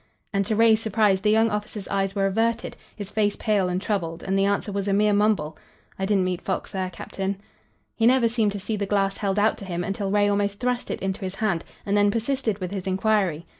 And to Ray's surprise the young officer's eyes were averted, his face pale and troubled, and the answer was a mere mumble "I didn't meet Fox there, captain." He never seemed to see the glass held out to him until Ray almost thrust it into his hand and then persisted with his inquiry.